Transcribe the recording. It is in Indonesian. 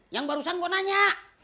yang barusan gue nanya